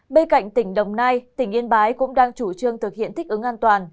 bên cạnh tỉnh đồng nai tỉnh yên bái cũng đang chủ trương thực hiện thích ứng an toàn